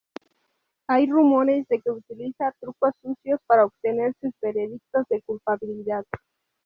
Hay rumores de que utiliza trucos sucios para obtener sus veredictos de culpabilidad.